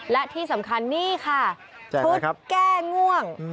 และที่สำคัญนี่ค่ะชุดแก้ง่วง